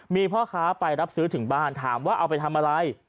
มีพ่อค้าไปรับซื้อถึงบ้านถามว่าเอาไปทำอะไร